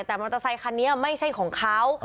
แต่มอเตอร์ไซคันนี้ไม่ใช่ของเขา